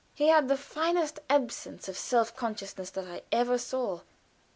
He had the finest absence of self consciousness that I ever saw.